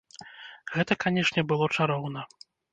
Гэта, канешне, было чароўна!